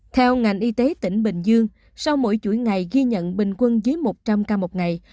theo ngành y tế tỉnh bình dương sau mỗi chuỗi ngày ghi nhận bình quân dưới một trăm linh ca một ngày